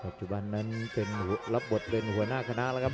ปัจจุบันนั้นเป็นรับบทเป็นหัวหน้าคณะแล้วครับ